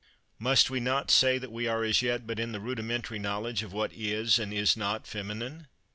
Must we not say that we are as yet but in the rudimentary knowledge of what is and is not feminine?